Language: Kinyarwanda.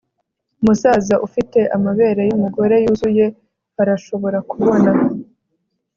Umusaza ufite amabere yumugore yuzuye arashobora kubona